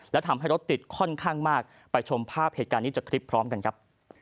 และทำให้รถติดค่อนข้างมากไปชมภาพเหตุการณ์นี้จากคลิปพร้อมกันครับ